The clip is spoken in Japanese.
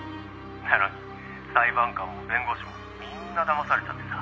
「なのに裁判官も弁護士もみんなだまされちゃってさ」